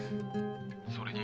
☎それに。